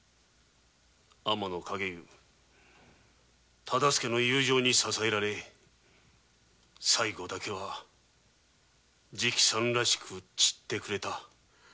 天野勘解由忠相の友情に支えられ最期だけは直参らしく散ってくれた。